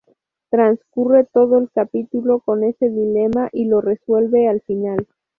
Transcurre todo el capítulo con ese dilema y lo resuelve al final.